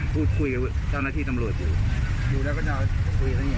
คุยกับเจ้าหน้าที่สำหรับดูดูแล้วก็จะคุยกันเย็นเย็น